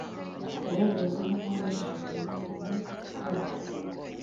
abayihozemo n’abo bashakanye “Unity Club”